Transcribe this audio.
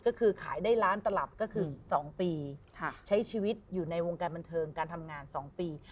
ก็คือขายได้ล้านตลับก็คือ๒ปีใช้ชีวิตอยู่ในวงการบันเทิงการทำงาน๒ปี